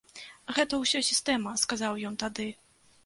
Гэта ўсё сістэма, сказаў ён тады.